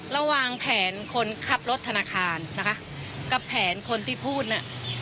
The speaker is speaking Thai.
ระหว่างแผนคนขับรถธนาคารนะคะกับแผนคนที่พูดน่ะ